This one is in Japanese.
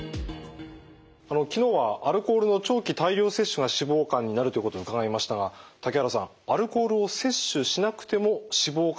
昨日はアルコールの長期大量摂取が脂肪肝になるということ伺いましたが竹原さんアルコールを摂取しなくても脂肪肝になることがあるんですね？